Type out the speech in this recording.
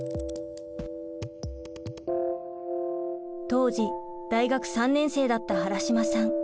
当時大学３年生だった原島さん。